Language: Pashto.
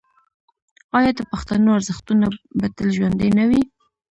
آیا د پښتنو ارزښتونه به تل ژوندي نه وي؟